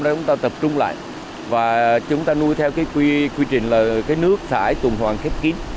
chúng ta tập trung lại và chúng ta nuôi theo cái quy trình là cái nước thải tùm hoàng khép kín